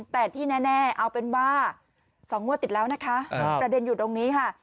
แต่ที่แน่เอาเป็นว่า๒งวดติดแล้วนะคะประเด็นอยู่ตรงนี้ค่ะ